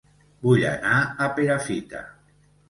Vull anar a Perafita